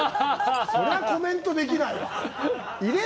それはコメントできないわ。